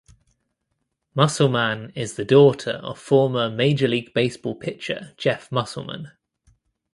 Musselman is the daughter of former Major League Baseball pitcher Jeff Musselman.